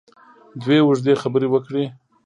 دوی اوږدې خبرې وکړې.